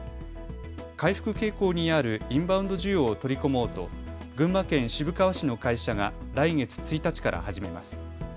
回復傾向にあるインバウンド需要を取り込もうと群馬県渋川市の会社が来月１日から始めます。